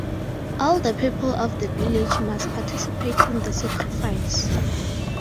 All the people of the village must participate in the sacrifice.